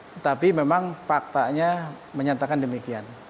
tetapi memang faktanya menyatakan demikian